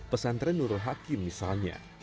pesantren nurul hakim misalnya